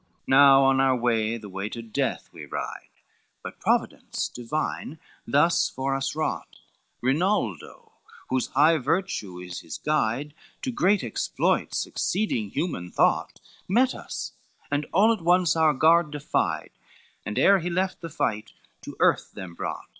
LXXI "Now on our way, the way to death we ride, But Providence Divine thus for us wrought, Rinaldo, whose high virtue is his guide To great exploits, exceeding human thought, Met us, and all at once our guard defied, And ere he left the fight to earth them brought.